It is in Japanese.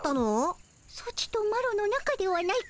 ソチとマロのなかではないか。